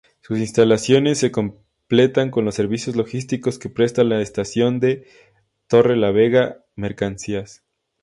Sus instalaciones se completan con los servicios logísticos que presta la estación de Torrelavega-Mercancías.